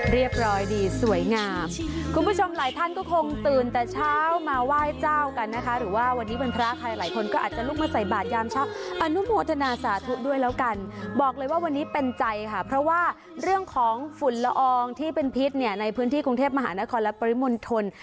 เรียบร้อยดีสวยงามคุณผู้ชมหลายท่านก็คงตื่นแต่เช้ามาไหว้เจ้ากันนะคะหรือว่าวันนี้วันพระใครหลายคนก็อาจจะลุกมาใส่บาทยามเช้าอนุโมทนาสาธุด้วยแล้วกันบอกเลยว่าวันนี้เป็นใจค่ะเพราะว่าเรื่องของฝุ่นละอองที่เป็นพิษเนี่ยในพื้นที่กรุงเทพมหานครและปริมณฑล